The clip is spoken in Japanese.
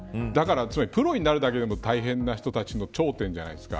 だから、つまりプロになるだけでも大変な人たちの頂点じゃないですか。